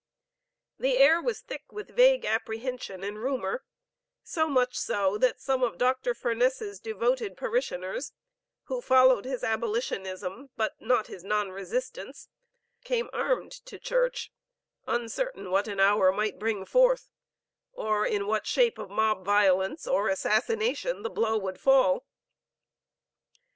The air was thick with vague apprehension and rumor, so much so, that some of Dr. Furness's devoted parishioners, who followed his abolitionism but not his non resistance, came armed to church, uncertain what an hour might bring forth, or in what shape of mob violence or assassination the blow would fall.